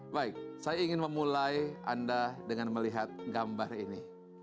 baik saya ingin memulai anda dengan melihat gambar ini